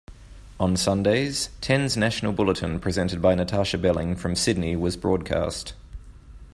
On Sundays, Ten's national bulletin presented by Natarsha Belling from Sydney was broadcast.